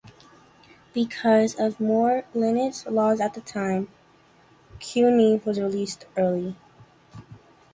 Because of more lenient laws at that time, Couey was released early.